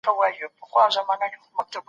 نړیوال سازمانونه د سوکالۍ لپاره هڅي کوي.